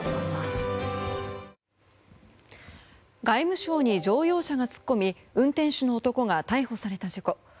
外務省に乗用車が突っ込み運転手の男が逮捕された事故。